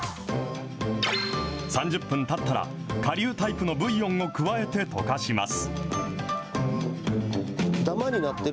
３０分たったら、かりゅうタイプのブイヨンを加えて溶かします。